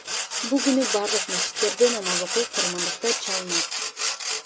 Бул күнү бардык мечиттерде намаз окулуп, курмандыктар чалынат.